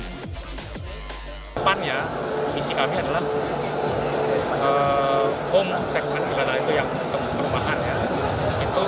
depannya visi kami adalah home segmen pilau dan air yang berubah ubah rumahan